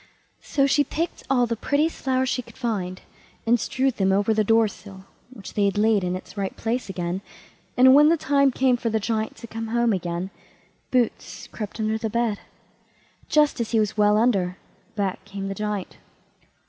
So she picked all the prettiest flowers she could find, and strewed them over the door sill, which they had laid in its right place again; and when the time came for the Giant to come home again, Boots crept under the bed. Just as he was well under, back came the Giant.